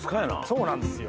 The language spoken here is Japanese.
そうなんですよ。